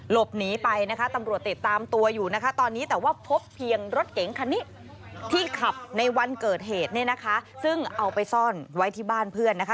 หลบหนีไปนะคะตำรวจติดตามตัวอยู่นะคะตอนนี้แต่ว่าพบเพียงรถเก๋งคันนี้ที่ขับในวันเกิดเหตุเนี่ยนะคะซึ่งเอาไปซ่อนไว้ที่บ้านเพื่อนนะคะ